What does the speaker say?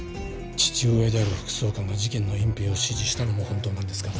父親である副総監が事件の隠蔽を指示したのも本当なんですか？